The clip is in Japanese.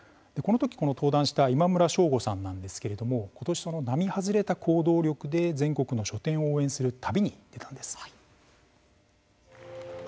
この時、登壇した今村翔吾さんなんですけれども今年、並外れた行動力で全国の書店を応援する旅に出たんです。